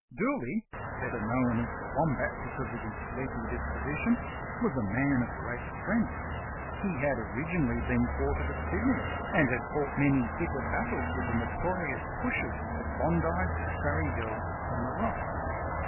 Dooley, better known as The Wombat because of his sleepy disposition, was a man of great strength. He had originally been quartered at Sydney, and had fought many bitter battles with the notorious "pushes" of Bondi, Surry Hills and The Rocks.